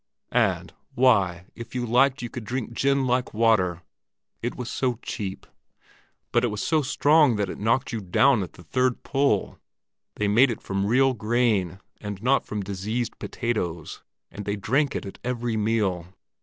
And—why, if you liked you could drink gin like water, it was so cheap; but it was so strong that it knocked you down at the third pull. They made it from real grain, and not from diseased potatoes; and they drank it at every meal.